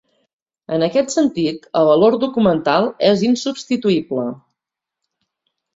En aquest sentit, el valor documental és insubstituïble.